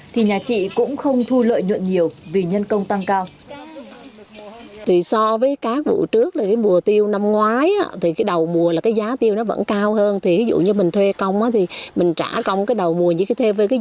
thì nhà chị cũng không thu lợi nhuận nhiều vì nhân công tăng cao